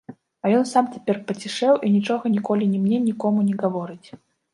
А ён сам цяпер пацішэў і нічога ніколі ні мне, ні кому не гаворыць.